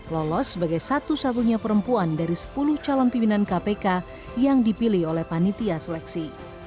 lolos sebagai satu satunya perempuan dari sepuluh calon pimpinan kpk yang dipilih oleh panitia seleksi